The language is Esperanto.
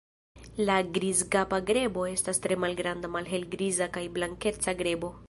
La Grizkapa grebo estas tre malgranda malhelgriza kaj blankeca grebo.